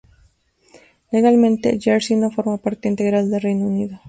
Legalmente Jersey no forma parte integral del Reino Unido.